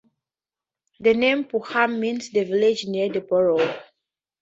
The name "Burham" means "the village near the borough".